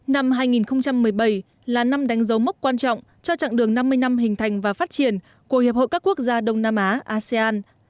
năm hai nghìn một mươi bảy là năm đánh dấu mốc quan trọng cho chặng đường năm mươi năm hình thành và phát triển của hiệp hội các quốc gia đông nam á asean